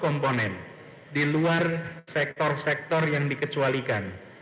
komponen di luar sektor sektor yang dikecualikan